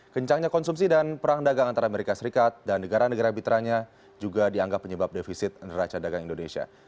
kencangnya konsumsi dan perang dagang antara amerika serikat dan negara negara mitranya juga dianggap penyebab defisit neraca dagang indonesia